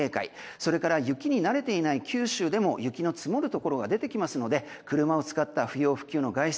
それから雪に慣れていない九州でも雪の積もるところが出てきますので車を使った不要不急の外出